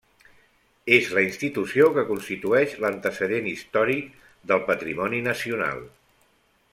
És la institució que constitueix l'antecedent històric del Patrimoni Nacional.